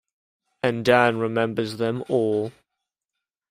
And Dan remembers them all.